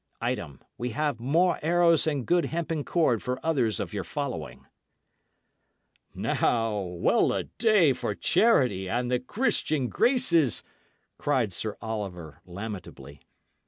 "Item, we have mo arrowes and goode hempen cord for otheres of your following." "Now, well a day for charity and the Christian graces!" cried Sir Oliver, lamentably.